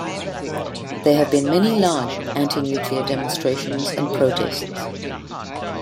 There have been many large anti-nuclear demonstrations and protests.